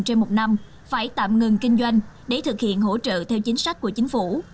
trên một năm phải tạm ngừng kinh doanh để thực hiện hỗ trợ theo chính sách của chính phủ